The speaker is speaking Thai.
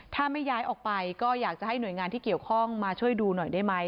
ถ้าไม่ย้ายออกไปก็อยากจะให้หน่วยงานที่เกี่ยวข้องมาช่วยดูหน่อยได้ไหม